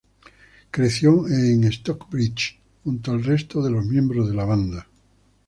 Creció en Stockbridge, junto al resto de los miembros de la banda.